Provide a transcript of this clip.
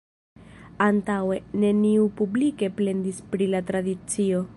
Antaŭe, neniu publike plendis pri la tradicio.